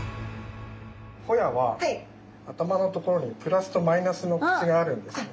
ホヤは頭のところにプラスとマイナスの口があるんです。